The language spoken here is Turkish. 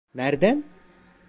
Nereden?